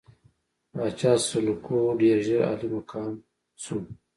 پاچا سلوکو ډېر ژر عالي مقام شو.